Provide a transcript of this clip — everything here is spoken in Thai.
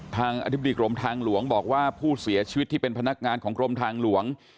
อธิบดีกรมทางหลวงบอกว่าผู้เสียชีวิตที่เป็นพนักงานของกรมทางหลวง